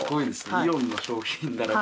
イオンの商品だらけ。